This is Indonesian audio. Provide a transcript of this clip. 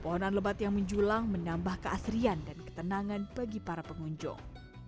pohonan lebat yang menjulang menambah keasrian dan ketenangan bagi para pengunjung